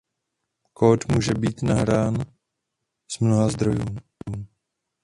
Kód může být nahrán z mnoha zdrojů.